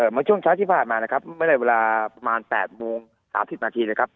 มันช่วงช้างที่พากรมานะครับไม่ใช่เวลาประมาณ๘โมง๓๐นาทีนะครับ